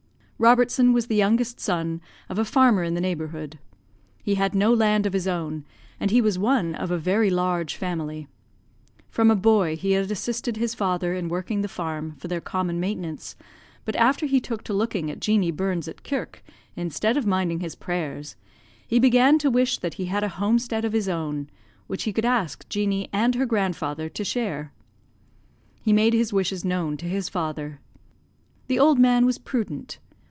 "Robertson was the youngest son of a farmer in the neighbourhood. He had no land of his own, and he was one of a very large family. From a boy he had assisted his father in working the farm for their common maintenance; but after he took to looking at Jeanie Burns at kirk, instead of minding his prayers, he began to wish that he had a homestead of his own, which he could ask Jeanie and her grandfather to share. He made his wishes known to his father. The old man was prudent.